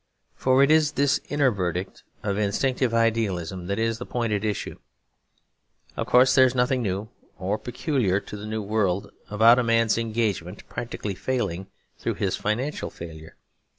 For it is this inner verdict of instinctive idealism that is the point at issue. Of course there is nothing new, or peculiar to the new world, about a man's engagement practically failing through his financial failure.